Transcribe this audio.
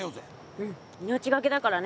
うん命がけだからね